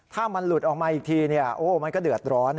ถ้ามันหลุดออกมาอีกทีมันก็เดือดร้อน